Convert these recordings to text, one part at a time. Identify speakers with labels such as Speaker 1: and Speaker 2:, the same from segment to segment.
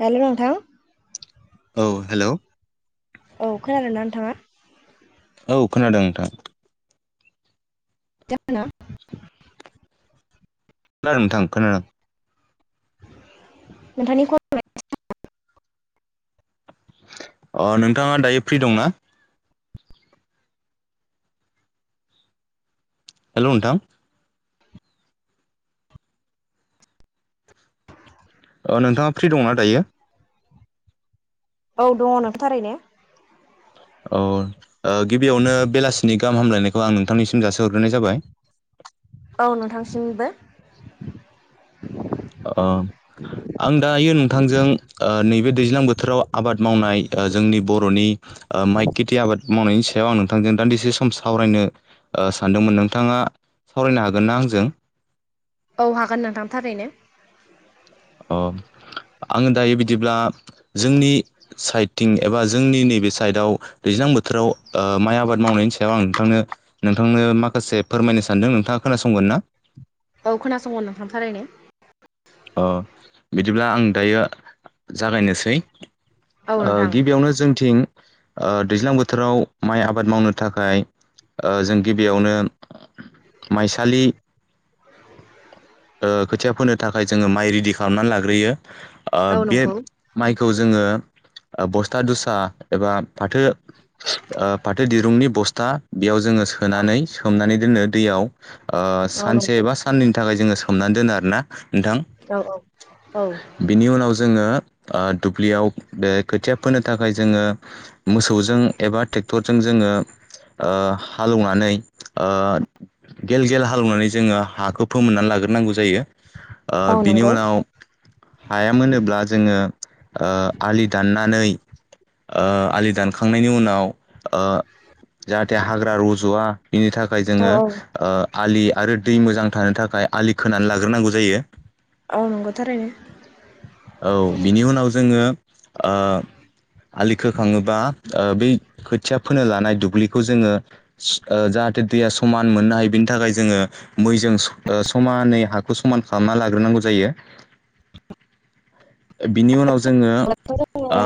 Speaker 1: Hello नोंथां
Speaker 2: औ hello
Speaker 1: औ खोनादों ना नोंथांङा?
Speaker 2: औ खोनादों नोंथां
Speaker 1: [unintelligible]
Speaker 2: खोनादों नोंथां खोनादों।
Speaker 1: नोंथांनि [unintelligible]
Speaker 2: अ नोंथांङा दायो फ्रि दंना? हेलौ नोंथां नोंथांङा फ्रि दंना दायो?
Speaker 1: औ दङ नों थारैनो
Speaker 2: अ ओ गिबियावनो बेलासिनि गाहाम हामलायनायखौ आं नोंथांनिसिम जासि हरग्रोनाय जाबाय।
Speaker 1: औ नोंथांसिनिबो।
Speaker 2: अ आं दायो नोंथांजों ओ नैबे दैज्लां बोथोराव आबाद मावनाय जोंनि बर'नि ओ माइ खेथि आबाद मावनायनि सायाव आं नोंथांजों दान्दिसे सम सावरायनो ओ सानदोंमोन नोंथाङा सावरायनो हागोन ना आंजों?
Speaker 1: औ हागोन नोंथां थारैनो
Speaker 2: अ आङो दायो बिदिब्ला जोंनि साइडथिं एबा जोंनि नैबे साइडआव दैज्लां बोथोराव म आब मावनायनि सायाव आं नोंथां नोंथांनो माखासे फोरमायनो सानदों नोंथाङा खोनासं गोन ना
Speaker 1: औ खोनासंगोन नोंथां थारैनो
Speaker 2: अ बिदिब्ला आं दायो जागायनोसै।
Speaker 1: औ
Speaker 2: ओ
Speaker 1: नोंथां
Speaker 2: गिबियावनो जोंथिं ओ दैज्लां बोथोराव माइ आबाद मावनो थाखाय ओ जों गिबियावनो माइसालि ओ खोथिया फोनो थाखाय जोङो माइ रेडि खालामनानै लाग्रोयो। ओ
Speaker 1: औ
Speaker 2: बे
Speaker 1: नंगौ
Speaker 2: माइखौ जोङो ओ बस्था दुसा एबा फाथो फाथो दिरुंनि बस्था बेयाव जोङो
Speaker 1: औ
Speaker 2: सोनानै सोमनानै दोनो दैयाव ओ
Speaker 1: औ
Speaker 2: सानसे
Speaker 1: नंगौ
Speaker 2: एबा साननैनि थाखाय जोङो सोम हमनानै दोनो आरोना।
Speaker 1: औ औ
Speaker 2: बिनि उनाव जोङो दुब्लियाव बे खोथिया फोनो थाखाय जोङो मोसौजों एबा ट्रेक्टरजों जोङो ओ हालौवनानै ओ गेल गेल हालेवनानै जोङो हाखौ फोमोननानै लाग्रोनांगौ जायो ओ
Speaker 1: औ
Speaker 2: बिनि
Speaker 1: नंगौ
Speaker 2: उनाव हायामोनोब्ला जोङो ओ आलि दाननानै ओ आलि दानखांनायनि उनाव ओ जाहाथे हाग्रा रज'वा बिनि थाखाय
Speaker 1: औ
Speaker 2: जोङो
Speaker 1: औ
Speaker 2: ओ आलि आरो दै मोजां थानो थाखाय आलि खोनानै लाग्रोनांगौ जायो
Speaker 1: औ नंगौ थारैनो
Speaker 2: औ बिनि उनाव जोङो ओ आलि खोखाङोबा ओ बै खोथिया फोनो लानाय दुब्लिखौ जोङो ओ जाहाथे दैया समान मोननो हायो बेनि थाखाय जोङो मैजों स' ओ समानै हाखौ समान खालामना लाग्रोनांगौ जायो बिनि उनाव जोङो ओ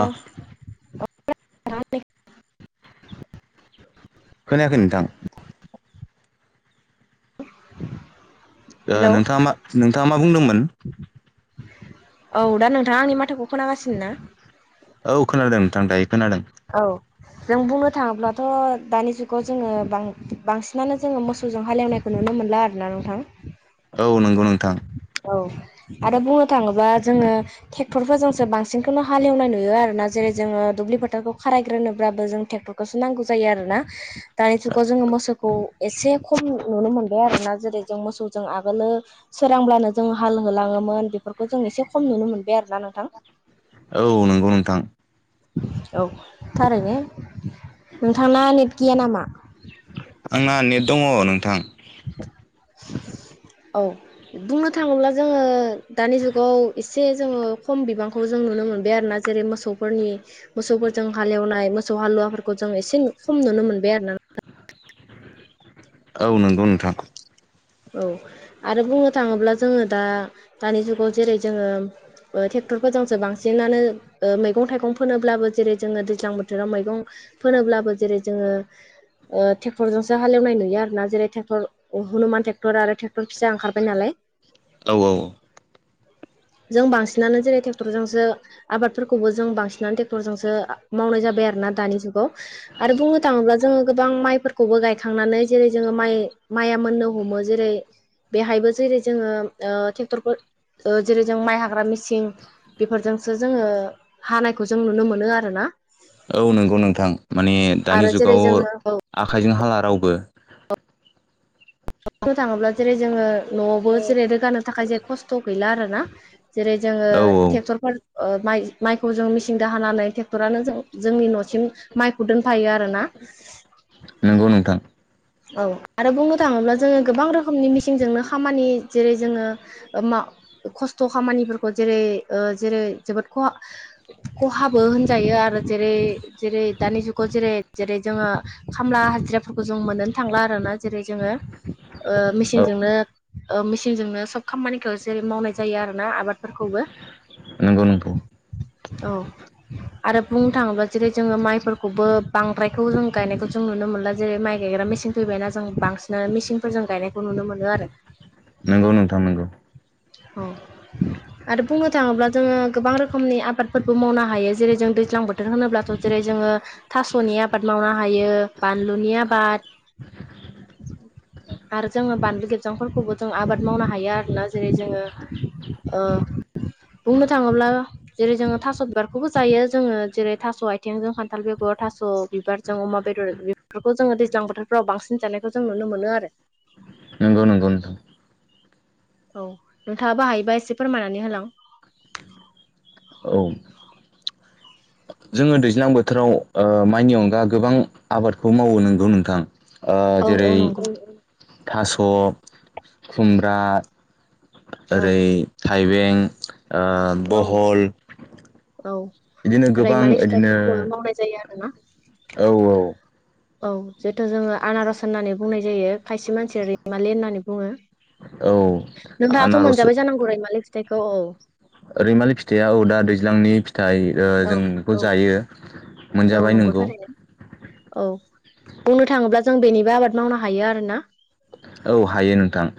Speaker 1: [unintelligible]
Speaker 2: खोनायाखै नोंथां ओ
Speaker 1: हेलौ
Speaker 2: नोंथाङा मा नोंथाङा मा बुंदोंमोन
Speaker 1: औ दा नोंथाङा आंनि माथोखौ खोनागासिनो ना?
Speaker 2: औ खोनादों नोंथां दायो खोनादों
Speaker 1: औ जों बुंनो थाङोब्लाथ' दानि जुगाव जोङो बां- बांसिनानो जोङो मोसौ मोसौजों हालेवनायखौ नुनो मोनला आरोना नोंथां
Speaker 2: औ नंगौ नोंथां
Speaker 1: औ आरो बुंनो थाङोबा जोङो ट्रेक्टरफोरजोंसो बांसिनखौनो हालेवनाय नुयो आरोना जेरै जोङो दुब्लि फोथारखौ खारायग्रोनोब्लाबो जों ट्रेक्टरखौसो नांगौ जायो आरोना दानि जुगाव जोङो मोसौखौ एसे खम नुनो मोनबाय आरो ना जेरै जों मोसौजों आगोलो सोरांब्लानो जों हाल होलाङो मोन बेफोरखौ जों एसे खम नुनो मोनबाय आरोना नोंथां
Speaker 2: औ नंगौ नोंथां
Speaker 1: औ थारैनो नोंथांना नेट गैया नामा?
Speaker 2: आंना नेट दङ' नोंथां।
Speaker 1: [inaudible]
Speaker 2: [inaudible]
Speaker 1: औ बुंनो थाङोब्ला जोङो दानि जुगाव एसे जोङो खम बिबांखौ जोङो नुनो मोनबाय आरोना जेरै मोसौफोरनि मोसौफोरजों हाल एवनाय मोसौ हालुवाफोरखौ जों एसे खम नु नुनो मोनबाय आरोना नोंथां।
Speaker 2: औ नंगौ नोंथां।
Speaker 1: औ आरो बुंनो थाङोब्ला जोङो दा दानि जुगाव जेरै जोङोे ओ टेक टेक्टरफोरजोंसो बांसिनानो ओ मैगं-थाइगं फोनोब्लाबो जेरै जोङौ दैज्लां बोथोराव मैगं फोनो ब्लाबो जेरै जोङो ओ टेक्टर जोंसो हाल एवनाय नुयो आरो ना जेरै टेक्टर हुनुमान टेक्ट र आरो टेक्टर फिसा ओंखारबाय नालाय
Speaker 2: औ औ
Speaker 1: जों बांसिनानो जेरै टेक्टरजोंसो आबादफोरखौबो जों बांसिनानो ट्रेक्टरजोंसो मावनाय जाबाय आरो ना दानि जुगाव आरो बुंनो थाङोब्ला जोङो गोबां माइफोरखौबो गायखांनानै जेरै जोङो माइ माइआ मोननो हमो। जेरै बेहायबो जेरै जोङो ओ टेक्टरखौ ओ जेरै जों माइ हाग्रा मिसिं बेफोरजोंसो जोङो हानायखौ जों नुनो मोनो आरोना।
Speaker 2: औ नंगौ नोंथां। माने दानि
Speaker 1: आरो जेरै
Speaker 2: जुगाव
Speaker 1: जोङो औ
Speaker 2: आखाइजों हाला रावबो।
Speaker 1: [inaudible] थाङोब्ला जेरै जोङो न'आवबो जेरै रोगानो थाखाय जे खस्थ' गैला आरोना जेरै जोङो
Speaker 2: औ औ
Speaker 1: टेक्टरफोर ओ माइ-माइखौ जों मिचिंदो हानानै ट्रेक्टरानो जों जोंनि न'सिम माइखौ दोनफायो आरोना।
Speaker 2: नंगौ नोंथां
Speaker 1: औ आरो बुंनो थाङोब्ला जोङो गोबां रोखोमनि मिचिंजोंनो खामानि जेरै जोङो ओ मा खस्थ' खामानिफोरखौ जेरै ओ जेरै जोबोद खहा खहाबो होनजायो आरो जेरै जेरै दानि जुगाव जेरै जेरै जोङो खामला हाजिराफोरखौ जों मोनोनो थांला आरोना जेरै जोङो ओ
Speaker 2: औ
Speaker 1: मेचिनजोंनो ओ मेचिनजोंनो सब खामानिखौ जेरै मावनाय जायो आरो ना आबादफोरखौबो
Speaker 2: नंगौ नंगौ।
Speaker 1: औ आरो बुंनो थाङोब्ला जेरै जोङो माइफोरखौबो बांद्रायखौ जों गायनायखौ जों नुनो मोनला जेरै माइ गायग्रा मेचिन फैबायना जों बांसिनानो मिचिनफोरजों गायनायखौ नुनो मोनो आरो।
Speaker 2: नंगौ नोंथां नंगौ
Speaker 1: औ आरो बुंनो थाङोब्ला जोङो गोबां रोखोमनि आबादफोरबो मावनो हायो जेरै जों दैज्लां बोथोर होनोब्लाथ' जेरै जों जोङो थास'नि आबाद मावनो हायो बानलुनि आबाद
Speaker 2: [inaudible]
Speaker 1: आरो जोङो बानलु गेबजांफोरखौबो जों आबाद मावनो हायो आरोना जेरै जोङो ओ बुंनो थाङोब्ला जेरै जोङो थास' बिबारखौबो जायो जोङो जेरै थास' आथिंजों खान्थाल बेगर थास' बिबारजों अमा बेदर बेफोरखौ जोङो दैज्लां बोथोरफ्राव बांसिन जानायखौ जों नुनो मोनो आरो।
Speaker 2: नंगौ नंगौ नोंथां
Speaker 1: औ नोंथाङाबो हायोबा एसे फोरमायनानै होलां
Speaker 2: औ जोङो दैज्लां बोथोराव ओ माइनि अनगा गोबां आबादखौ मावो नंगौ नोंथां। ओ
Speaker 1: औ औ नंगौ
Speaker 2: जेरै थास' खुमब्रा
Speaker 1: औ
Speaker 2: ओरै थाइबें ओ
Speaker 1: औ
Speaker 2: बहल
Speaker 1: औ
Speaker 2: बिदिनो गोबां
Speaker 1: रैमालि
Speaker 2: इदिनो
Speaker 1: फिथाइफोरखौबो मावनाय जायो आरो ना।
Speaker 2: औ
Speaker 1: औ जिहथु जोङो आनारस होननानै बुंनाय जायो खायसे मानसिया रैमालि होननानै बुङो।
Speaker 2: औ
Speaker 1: नोंथाङाथ' मोनजाबाय जानांगौ रैमालि फिथाइखौ औ
Speaker 2: ओ रैमालि फिथाइया औ दा दैज्लांनि फि थाय
Speaker 1: औ
Speaker 2: जों बेखौ
Speaker 1: औ
Speaker 2: जायो
Speaker 1: औ
Speaker 2: मोनजाबाय
Speaker 1: नंगौ
Speaker 2: नोंगौ
Speaker 1: थारैनो औ बुंनो थाङोब्ला जों बेनिबो आबाद मावनो हायो आरोना
Speaker 2: औ हायो नोंथां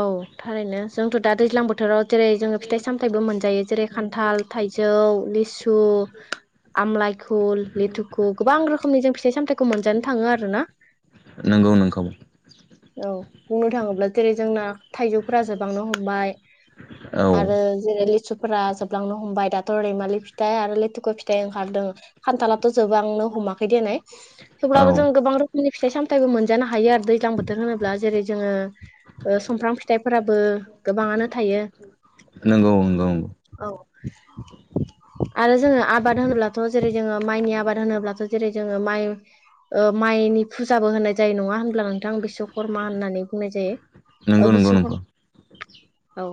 Speaker 1: औ थारैनो जोंथ दा दैज्लां बोथोराव जेरै जोङो फिथाइ सामथायाइबो मोनजायो जेरै खान्थाल थाइजौ लिसु आमलाइ खुल लेथुखु गोबां रोखोमनि जों फिथाइ सामथायाइखौ मोनजानो थाङो आरो ना।
Speaker 2: नंगौ नोंथां
Speaker 1: औ बुंनो थाङोब्ला जेरै जोंना थाइजौफोरा जोबहांनो हमबाय।
Speaker 2: औ
Speaker 1: आरो जेरै लिथुफोरा जोबलांनो हमबाय दाथ रैमालि फिथाइ आरो लिथुखौ फिथ फिथाइ ओंखारदों खान्थालाथ जोबबो आांनो हमाखै देनाय
Speaker 2: औ
Speaker 1: थेवब्लाबो जों गोबां रोखोमनि फिथ सामथाय मोनजानो हायो आरो दैज्लां बोथोर होनोब्ला जेरै जोङो सुमफ्राम फिथाइफोराबो गोबाङानो थायो
Speaker 2: नोंगौ नोंगौ नोंगौ
Speaker 1: औ। [inaudible] आरो जोङो आबाद होनोब्लाथ जेरै जोङो माइनि आबाद होनोब्लाथ जेरै जोङो माइ माइनि फुजाबो होननाय जायो नङा होनब्ला नोंथां बिसवकर्मा होननानै बुंनाय जायो।
Speaker 2: नंगौ
Speaker 1: ओ
Speaker 2: नंगौ नंगौ
Speaker 1: बिश्वकर्मा औ